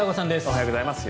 おはようございます。